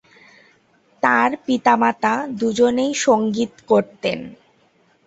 তার পিতা-মাতা দুজনেই সঙ্গীত করতেন।